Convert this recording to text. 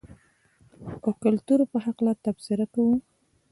او کلتور په حقله تبصره کوو.